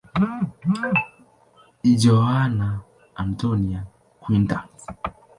Joana Antónia Quintas.